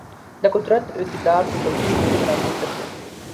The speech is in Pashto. د قدرت او اقتدار د چوکیو وېش رامېنځته شو.